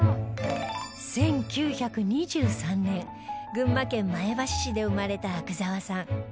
１９２３年群馬県前橋市で生まれた阿久澤さん